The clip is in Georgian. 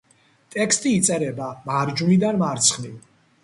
ტექსტი იწერება მარჯვნიდან მარცხნივ.